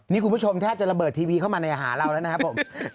นี่คุณผู้ชมแทบจะระเบิดทีวีเข้ามาในหาเราแล้วนะครับผม